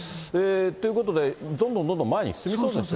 ということで、どんどんどん前に進みそうですかね。